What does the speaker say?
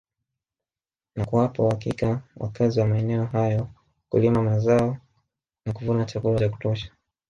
Na kuwapa uhakika wakazi wa maeneo hayo kulima mazaona kuvuna chakula cha kutosha